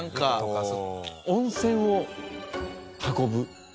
温泉を運ぶ。